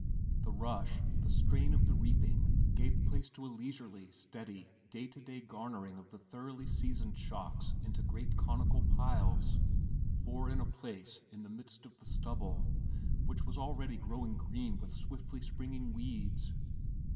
The rush, the strain of the reaping gave place to a leisurely, steady, day by day garnering of the thoroughly seasoned shocks into great conical piles, four in a place in the midst of the stubble, which was already growing green with swiftly springing weeds.